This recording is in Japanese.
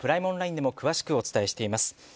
オンラインでも詳しくお伝えしています。